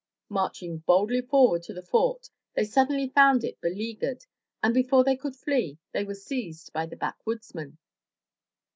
Marching boldly forward to the fort, they suddenly found it beleaguered, and before they could flee they were seized by the backwoodsmen.